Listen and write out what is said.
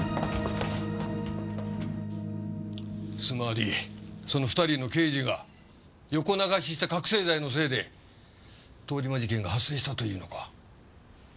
つまりその２人の刑事が横流しした覚せい剤のせいで通り魔事件が発生したというのか？